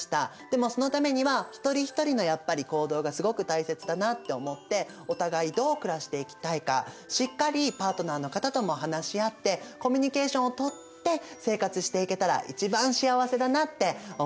でもそのためには一人一人のやっぱり行動がすごく大切だなって思ってお互いどう暮らしていきたいかしっかりパートナーの方とも話し合ってコミュニケーションをとって生活していけたら一番幸せだなって思いました。